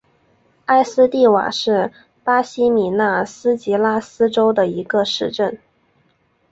埃斯蒂瓦是巴西米纳斯吉拉斯州的一个市镇。